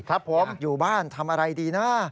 อยากอยู่บ้านทำอะไรดีนะ